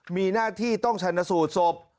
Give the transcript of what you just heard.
มีหน้าที่ต้องชันสูตรศพ